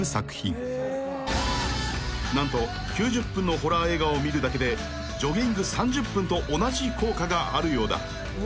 ［何と９０分のホラー映画を見るだけでジョギング３０分と同じ効果があるようだ］